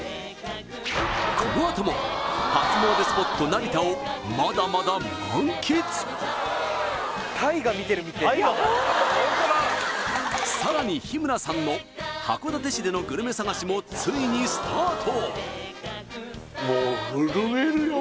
このあとも初詣スポット成田をまだまだ満喫ホントださらに日村さんの函館市でのグルメ探しもついにスタート